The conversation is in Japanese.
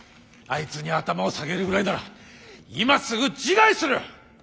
あいつに頭を下げるぐらいなら今すぐ自害する！